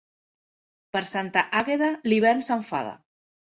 Per Santa Àgueda, l'hivern s'enfada.